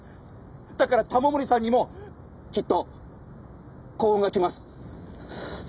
だから玉森さんにもきっと幸運が来ます。